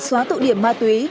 xóa tụ điểm ma túy